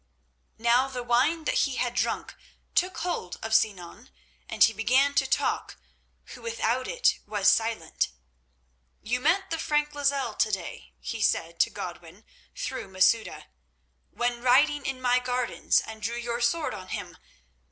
Now the wine that he had drunk took hold of Sinan, and he began to talk who without it was so silent. "You met the Frank Lozelle to day," he said to Godwin, through Masouda, "when riding in my gardens, and drew your sword on him.